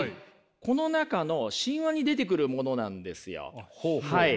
この中の神話に出てくるものなんですよ。